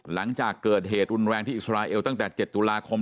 หลังจากเกิดเหตุรุนแรงที่อิสราเอลตั้งแต่๗ตุลาคม